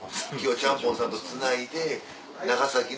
ちゃんぽんさんとつないで長崎の。